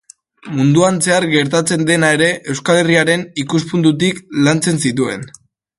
Munduan zehar gertatzen dena ere Euskal Herriaren ikuspuntutik lantzen zituen.